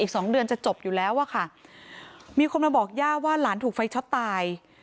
สองเดือนจะจบอยู่แล้วอะค่ะมีคนมาบอกย่าว่าหลานถูกไฟช็อตตาย